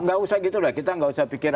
gak usah gitu lah kita gak usah pikir